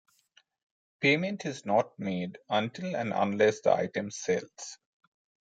Payment is not made until and unless the item sells.